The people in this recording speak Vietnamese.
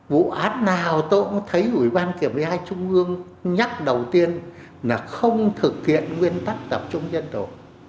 vụ án nào tôi cũng thấy ủy ban kiểm tra trung ương nhắc đầu tiên là không thực hiện nguyên tắc tập trung dân chủ